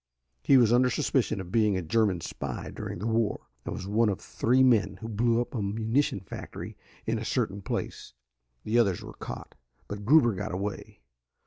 He was under suspicion of being a German spy during the war, and was one of three men who blew up a munition factory in a certain place. The others were caught, but Gruber got away.